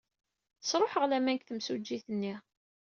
Sṛuḥeɣ laman deg temsujjit-nni.